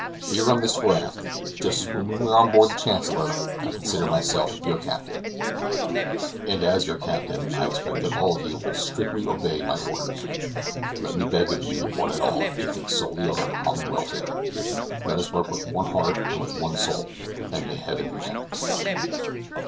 Here on this raft, just as when we were on board the Chancellor, I consider myself your captain; and as your captain, I expect that all of you will strictly obey my orders. Let me beg of you, one and all, to think solely of our common welfare; let us work with one heart and with one soul, and may Heaven protect us!"